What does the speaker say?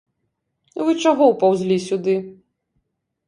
Вы чаго ўпаўзлі сюды?